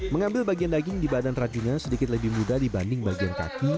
mengambil bagian daging di badan rajungan sedikit lebih mudah dibanding bagian kaki